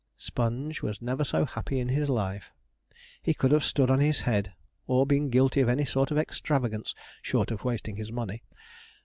Sponge was never so happy in his life. He could have stood on his head, or been guilty of any sort of extravagance, short of wasting his money.